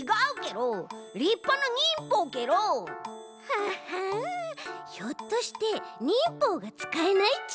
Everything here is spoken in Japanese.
ははんひょっとして忍法がつかえないち？